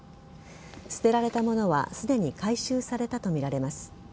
捨てられたものはすでに回収されたとみられます。